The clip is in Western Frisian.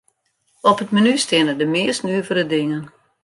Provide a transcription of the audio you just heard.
Op it menu steane de meast nuvere dingen.